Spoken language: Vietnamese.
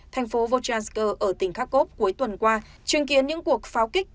thành phố vochranskyr ở tỉnh kharkov cuối tuần qua chứng kiến những cuộc pháo kích